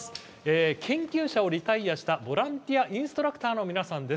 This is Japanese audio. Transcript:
研究者をリタイアしたボランティア・インストラクターの皆さんです。